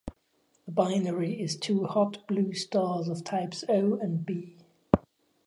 The binary is two hot blue stars of types O and B.